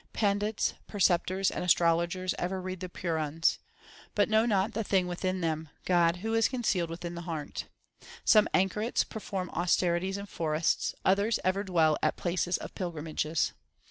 Pandits, preceptors, and astrologers ever read the Purans, But know not the Thing within them God who is con cealed within the heart. Some anchorets perform austerities in forests, others ever dwell at places of pilgrimages.